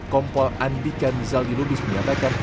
kompol andika nizaldilubis menyatakan